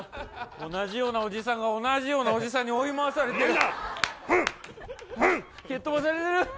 同じようなおじさんが同じようなおじさんに追い回されてる。